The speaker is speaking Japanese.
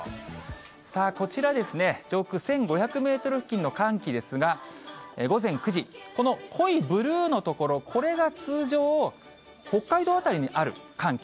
さあ、こちらですね、上空１５００メートル付近の寒気ですが、午前９時、この濃いブルーの所、これが通常、北海道辺りにある寒気。